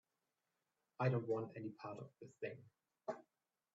I don't want any part of this thing.